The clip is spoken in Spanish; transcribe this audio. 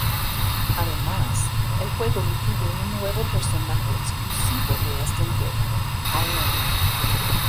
Además, el juego incluye un nuevo personaje exclusivo de esta entrega: Aeon.